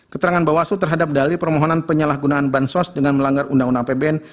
keterangan bawaslu terhadap dali permohonan penyalahgunaan bansos dengan melanggar undang undang apbn